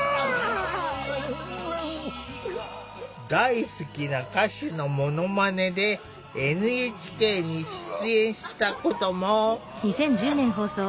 大好きな歌手のものまねでＮＨＫに出演したことも！